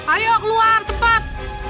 ayo keluar cepat